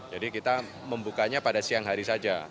jadi kita membukanya pada siang hari saja